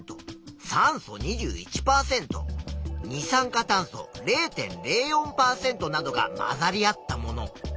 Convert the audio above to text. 酸素２１％二酸化炭素０．０４％などが混ざり合ったもの。